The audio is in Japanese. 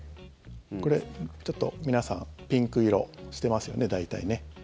これ、ちょっと皆さんピンク色してますよね、大体ね。